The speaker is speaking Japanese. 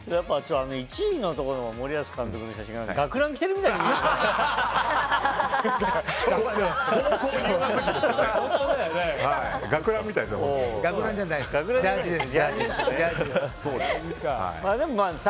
１位のところの森保監督の写真学ランを着てるみたいに見えてきた。